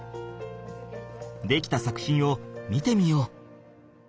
出来た作品を見てみよう！